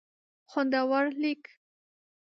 خوندور لیک